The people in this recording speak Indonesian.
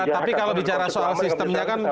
tapi kalau bicara soal sistemnya kan